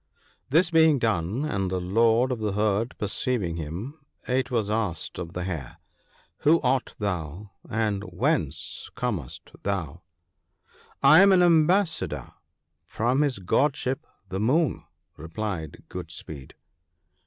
" This being done, and the Lord of the herd perceiving him, it was asked of the Hare, 'Who art thou? and whence comest thou ?'' I am an ambassador from his Godship the Moon,' replied Good speed.